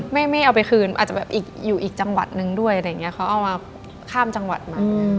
ไม่เอาไปคืนอาจจะแบบอยู่อีกจังหวัดนึงด้วยอะไรอย่างนี้เขาเอามาข้ามจังหวัดมา